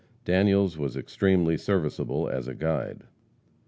Daniels was extremely serviceable as a guide.